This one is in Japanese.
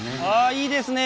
いいですね！